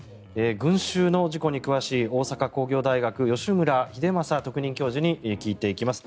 群集の事故に詳しい大阪工業大学吉村英祐特任教授に聞いていきます。